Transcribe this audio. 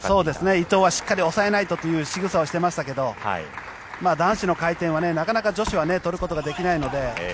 伊藤はしっかり押さえないとというしぐさをしていましたが男子の回転はなかなか女子は取ることができないので。